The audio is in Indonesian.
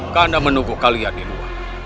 karena menunggu kalian di luar